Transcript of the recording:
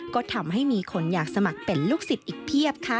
ก็ทำให้มีคนอยากสมัครเป็นลูกศิษย์อีกเพียบค่ะ